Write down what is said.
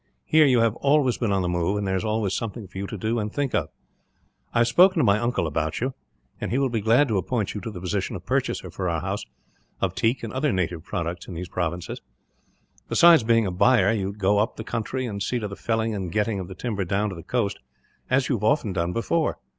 Here you have always been on the move, and there is always something for you to do, and think of. "I have spoken to my uncle about you, and he will be glad to appoint you to the position of purchaser, for our house, of teak and other native products in these provinces. Besides being buyer, you would go up the country, and see to the felling and getting the timber down to the coast, as you have often done before.